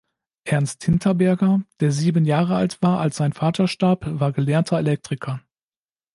Ernst Hinterberger, der sieben Jahre alt war, als sein Vater starb, war gelernter Elektriker.